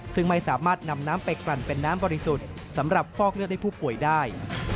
ซึ่งไม่สามารถนำน้ำไปกลั่นเป็นน้ำบริสุทธิ์สำหรับฟอกเลือดให้ผู้ป่วยได้